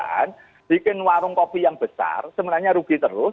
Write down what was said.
kita bikin warung kopi yang besar sebenarnya rugi terus